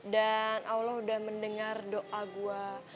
dan allah udah mendengar doa gue